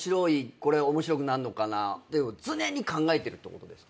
これ面白くなるのかな常に考えてるってことですか？